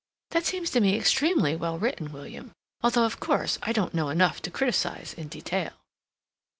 "That seems to me extremely well written, William; although, of course, I don't know enough to criticize in detail."